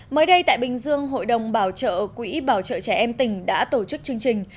mới đây tại bình dương hội đồng bảo trợ quỹ bảo trợ trẻ em tỉnh đã tổ chức chương trình